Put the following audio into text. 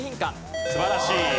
素晴らしい。